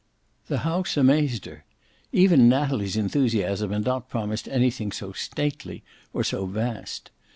The house amazed her. Even Natalie's enthusiasm had not promised anything so stately or so vast.